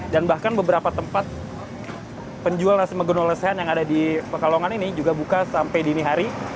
dan bahkan beberapa tempat penjual nasi megono lesen yang ada di pekalongan ini juga buka sampai dini hari